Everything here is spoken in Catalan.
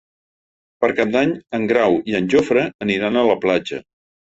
Per Cap d'Any en Grau i en Jofre aniran a la platja.